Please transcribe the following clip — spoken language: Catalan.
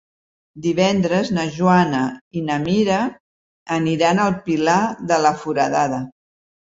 Divendres na Joana i na Mira aniran al Pilar de la Foradada.